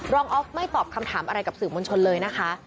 ออฟไม่ตอบคำถามอะไรกับสื่อมวลชนเลยนะคะ